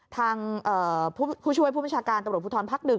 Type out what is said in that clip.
ทางผู้ช่วยผู้บัญชาการตรวจพุทธรพักหนึ่ง